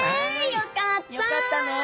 よかったね。